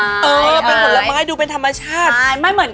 สดชื้นน่ะ